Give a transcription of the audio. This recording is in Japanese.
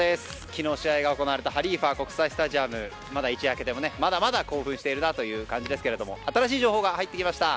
昨日試合が行われたハリーファ国際スタジアム一夜明けても、まだまだ興奮しているなという感じですが新しい情報が入ってきました。